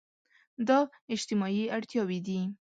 دا اجتماعي اړتياوې دي.